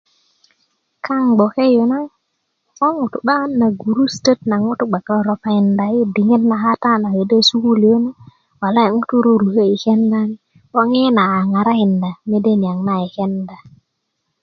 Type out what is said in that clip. kaŋ i gboke yu na ko ŋutu' 'bakan na gurusutöt naŋ ŋutu' gbak roropakinda yi diŋit naŋ kata yi sukulu yu na walayi ŋutu ruruköki i kenda ni 'boŋ i na a ŋarakinda mede niyaŋ na i kenda